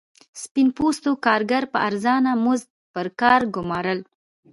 سپین پوستو کارګر په ارزانه مزد پر کار ګومارل.